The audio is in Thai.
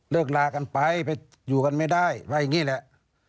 เลือกลากันไปไม่ได้อยู่กันเป็นอย่างงี้แหละ